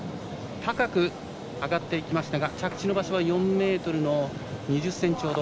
高く上がっていきましたが着地の場所は４ｍ２０ｃｍほど。